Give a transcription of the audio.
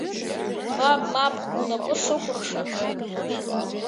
Мап, мап, унапы сыкәырша!